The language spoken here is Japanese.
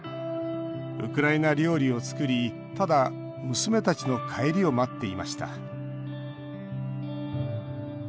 ウクライナ料理を作りただ、娘たちの帰りを待っていました。